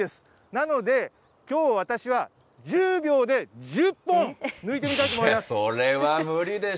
なので、きょう、私は１０秒で１０本、抜いてみたいと思います。